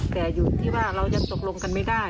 แต่อยู่ที่ว่าเรายังตกลงกันไม่ได้